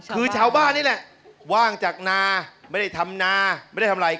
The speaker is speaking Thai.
คือชาวบ้านนี่แหละว่างจากนาไม่ได้ทำนาไม่ได้ทำอะไร